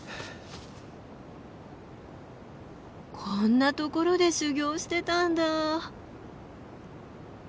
こんなところで修行してたんだ。